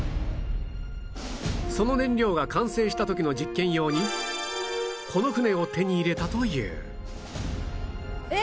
その燃料が完成した時の実験用にこの船を手に入れたというえ！